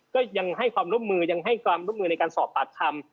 ก็ยังให้ความร่วมมือยังให้ความร่วมมือในการสอบปากคำ